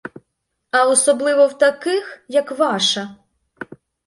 А особливо в таких, як ваша!